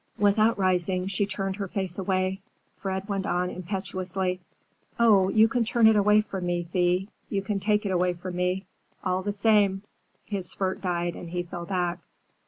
Without rising she turned her face away. Fred went on impetuously. "Oh, you can turn it away from me, Thea; you can take it away from me! All the same—" his spurt died and he fell back.